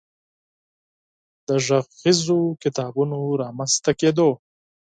د غږیزو کتابونو رامنځ ته کېدو